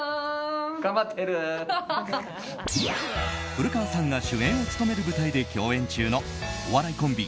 古川さんが主演を務める舞台で共演中のお笑いコンビ